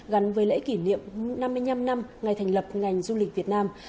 gắn với lễ kỷ niệm năm mươi năm năm ngày thành lập ngành du lịch việt nam